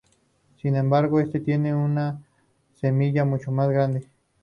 Sin embargo, este tiene una semilla mucho más grande.